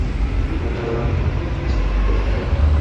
هر ډول او د هر قوم خلک تر سترګو کېدل.